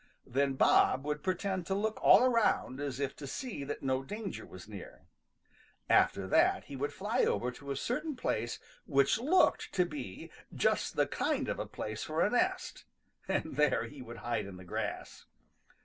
Then Bob would pretend to look all around as if to see that no danger was near. After that he would fly over to a certain place which looked to be just the kind of a place for a nest, and there he would hide in the grass.